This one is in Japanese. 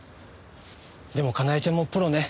でもかなえちゃんもプロね。